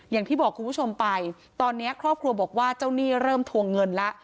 อย่างที่บอกคุณผู้ชมไปตอนนี้ครอบครัวบอกว่าเจ้าหนี้เริ่มทวงเงินแล้ว